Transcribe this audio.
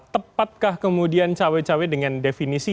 tepatkah kemudian cewek cewek dengan definisi